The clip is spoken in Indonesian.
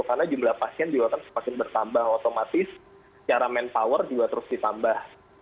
karena jumlah pasien juga semakin bertambah otomatis cara manpower juga terus ditambah